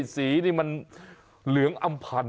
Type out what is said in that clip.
สีนี่มันเหลืองอำพันธ์